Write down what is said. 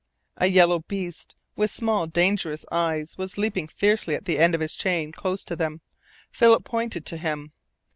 A yellow beast, with small, dangerous eyes, was leaping fiercely at the end of his chain close to them. Philip pointed to him.